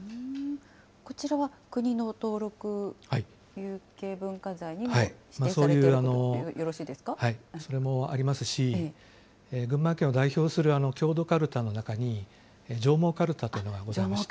こちらは国の登録有形文化財に指定されているということでよそれもありますし、群馬県を代表する郷土かるたの中に、上毛かるたというのがございまして。